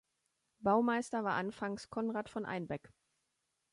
Baumeister war anfangs Conrad von Einbeck.